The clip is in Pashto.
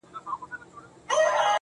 چي زه به څرنگه و غېږ ته د جانان ورځمه.